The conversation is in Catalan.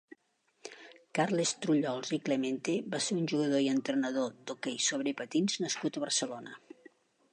Carles Trullols i Clemente va ser un jugador i entrenador d'hoquei sobre patins nascut a Barcelona.